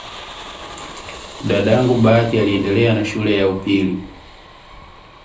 " Dadangu Bahati aliendelea na shule ya upili"